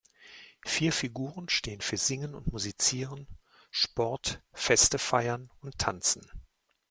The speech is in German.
Vier Figuren stehen für Singen und Musizieren, Sport, Feste feiern und Tanzen.